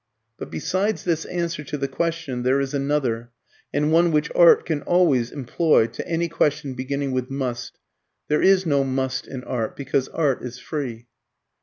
But besides this answer to the question, there is another, and one which art can always employ to any question beginning with "must": There is no "must" in art, because art is free.